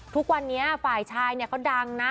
ทุกวันนี้ฝ่ายชายเนี่ยเขาดังนะ